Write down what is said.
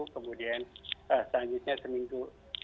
kemudian selanjutnya seminggu